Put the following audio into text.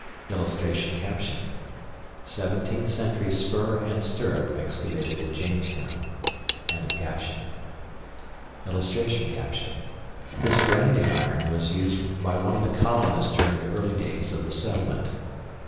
[Illustration: SEVENTEENTH CENTURY SPUR AND STIRRUP EXCAVATED AT JAMESTOWN.] [Illustration: THIS BRANDING IRON WAS USED BY ONE OF THE COLONISTS DURING THE EARLY DAYS OF THE SETTLEMENT.